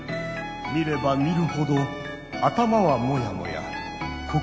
見れば見るほど頭はモヤモヤ心もモヤモヤ。